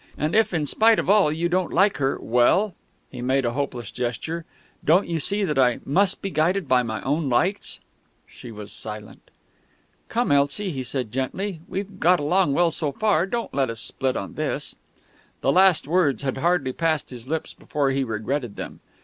And if in spite of all you don't like her, well ..." he made a hopeless gesture. "Don't you see that I must be guided by my own lights?" She was silent. "Come, Elsie," he said gently. "We've got along well so far; don't let us split on this." The last words had hardly passed his lips before he regretted them.